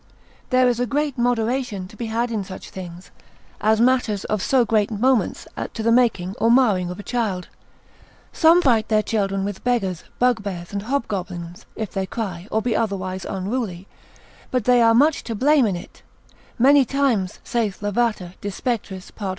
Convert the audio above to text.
There is a great moderation to be had in such things, as matters of so great moment to the making or marring of a child. Some fright their children with beggars, bugbears, and hobgoblins, if they cry, or be otherwise unruly: but they are much to blame in it, many times, saith Lavater, de spectris, part.